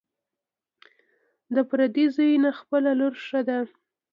ـ د پردي زوى نه، خپله لور ښه ده.